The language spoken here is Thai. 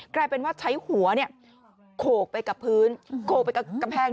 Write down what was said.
กลายเป็นว่าใช้หัวโขกไปกับพื้นโขกไปกับกำแพง